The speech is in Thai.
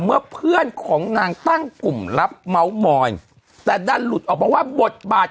เมื่อเพื่อนของนางตั้งกลุ่มรับเมาส์มอยแต่ดันหลุดออกมาว่าบทบาท